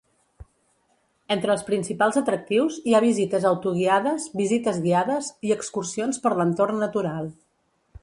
Entre els principals atractius, hi ha visites autoguiades, visites guiades i excursions per l'entorn natural.